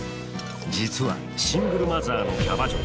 実はシングルマザーのキャバ嬢。